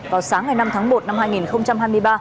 vào sáng ngày năm tháng một năm hai nghìn hai mươi ba